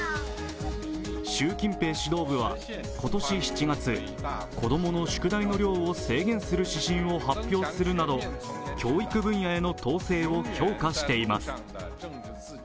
習近平指導部は今年７月、子供の宿題の量を制限する指針を発表するなど教育分野への統制を強化しています。